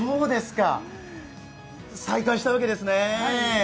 再開したわけですね。